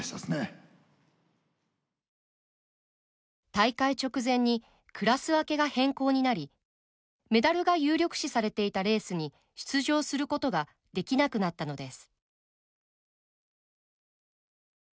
大会直前にクラス分けが変更になりメダルが有力視されていたレースに出場することができなくなったのです。